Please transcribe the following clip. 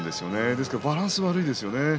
だからバランスが悪いですよね。